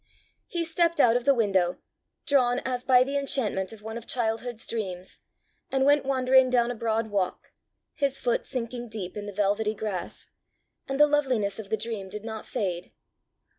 He stepped out of the window, drawn as by the enchantment of one of childhood's dreams, and went wandering down a broad walk, his foot sinking deep in the velvety grass, and the loveliness of the dream did not fade.